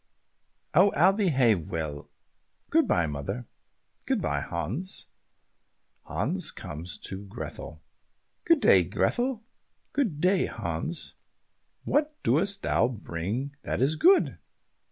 "Oh, I'll behave well. Good bye, mother." "Good bye, Hans." Hans comes to Grethel, "Good day, Grethel." "Good day, Hans. What dost thou bring that is good?"